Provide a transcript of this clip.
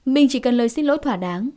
mình chỉ cần lời xin lỗi thỏa đáng